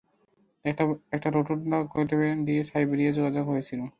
একটা rotunda gateway দিয়ে সাইবেরিয়ার যোগাযোগ হয়ে গিয়েছিল।